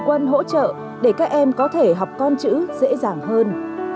quan hỗ trợ để các em có thể học con chữ dễ dàng hơn